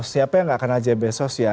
siapa yang tidak kenal ajaes bezos ya